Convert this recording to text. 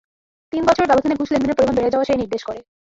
তিন বছরের ব্যবধানে ঘুষ লেনদেনের পরিমাণ বেড়ে যাওয়া সেই নির্দেশ করে।